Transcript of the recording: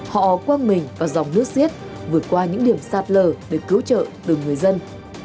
họ quăng mình vào dòng nước xiết vượt qua những điểm sạt lờ để cứu trợ từ người dân